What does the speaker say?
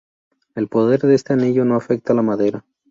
El poder de este anillo no afecta la madera.